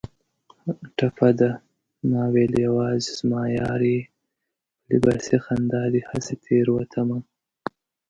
ټپه ده: ماوېل یوازې زما یار یې په لباسي خندا دې هسې تېروتمه